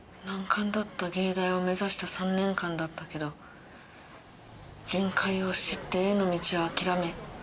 難関だった芸大を目指した３年間だったけど限界を知って絵の道は諦め